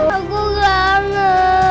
aku gak mau